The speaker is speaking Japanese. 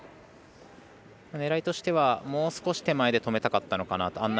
狙いとしてはもう少し手前で止めたかったのかなと。